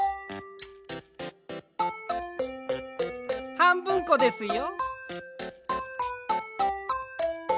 はんぶんこですよ。